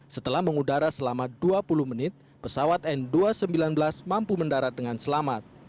setelah mengudara selama dua puluh menit pesawat n dua ratus sembilan belas mampu mendarat dengan selamat